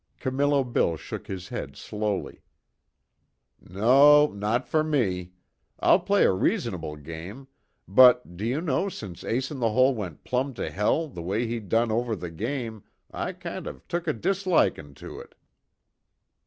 Camillo Bill shook his head slowly: "No not fer me. I'll play a reasonable game but do you know since Ace In The Hole went plumb to hell the way he done over the game I kind of took a dislikin' to it."